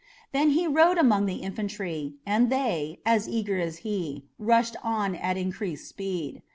Then he rode among the infantry, and they, as eager as he, rushed on at increased speed.